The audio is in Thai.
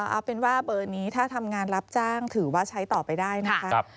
เอาเป็นว่าเบอร์นี้ถ้าทำงานรับจ้างถือว่าใช้ต่อไปได้นะคะ